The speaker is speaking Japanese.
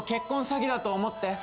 詐欺だと思って。